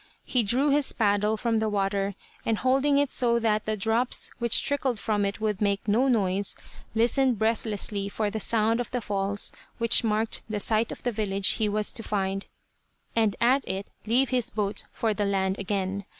He drew his paddle from the water, and holding it so that the drops which trickled from it would make no noise, listened breathlessly for the sound of the falls which marked the site of the village he was to find, and at it leave his boat for the land again.